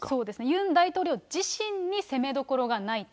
ユン大統領自身に攻めどころがないと。